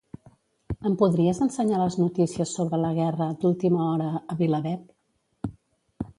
Em podries ensenyar les notícies sobre la guerra d'última hora a "VilaWeb"?